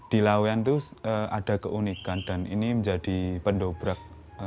di lawean itu ada keunikan dan ini menjadi pendobrak